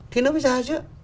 thì nó mới ra chứ